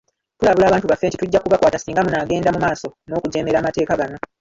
Tulabula abantu baffe nti tujja kubakwata singa munaagenda mu maaso n'okujeemera amateeka gano.